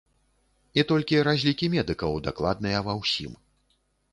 І толькі разлікі медыкаў дакладныя ва ўсім.